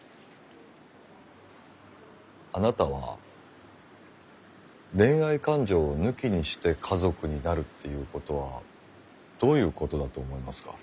あなたは恋愛感情を抜きにして家族になるっていうことはどういうことだと思いますか？